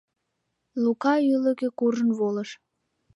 Лука ӱлыкӧ куржын волыш.